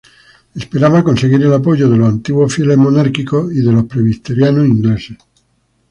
Esperaba conseguir el apoyo de los antiguos fieles monárquicos y de los presbiterianos ingleses.